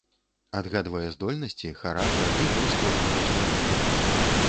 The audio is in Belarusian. Адгадвае здольнасці, характар і лёс кожнага чалавека!